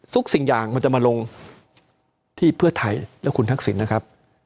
สิ่งอย่างมันจะมาลงที่เพื่อไทยและคุณทักษิณนะครับ